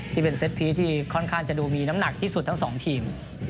ที่เป็นเซตทีที่ค่อนข้างจะดูมีน้ำหนักที่สุดทั้ง๒ทีม